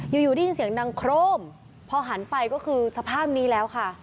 อยู่อยู่ได้ยินเสียงดังโครมพอหันไปก็คือสภาพนี้แล้วค่ะ